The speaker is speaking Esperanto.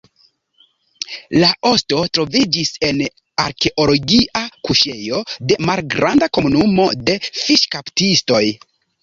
La osto troviĝis en arkeologia kuŝejo de malgranda komunumo de fiŝkaptistoj.